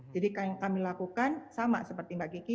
jadi yang kami lakukan sama seperti mbak kiki